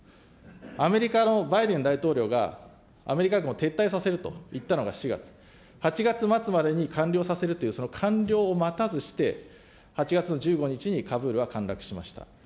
アメリカのバイデン大統領がアメリカ軍を撤退させると言ったのが４月、８月末までに完了させるというその完了を待たずして、８月の１５日にカブールは陥落しました。